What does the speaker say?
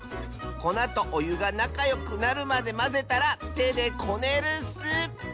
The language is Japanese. こなとおゆがなかよくなるまでまぜたらてでこねるッス！